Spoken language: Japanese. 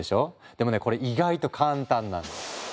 でもねこれ意外と簡単なの。